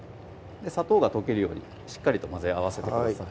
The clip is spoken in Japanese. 砂糖が溶けるようにしっかりと混ぜ合わせてください